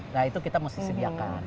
nah itu kita mesti sediakan